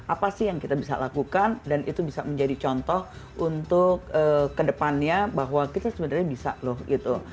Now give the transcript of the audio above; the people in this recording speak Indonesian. apa sih yang kita bisa lakukan dan itu bisa menjadi contoh untuk kedepannya bahwa kita sebenarnya bisa loh gitu